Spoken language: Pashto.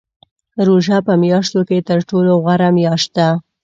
روژه په میاشتو کې تر ټولو غوره میاشت ده .